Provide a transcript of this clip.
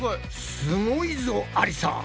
すごいぞありさ。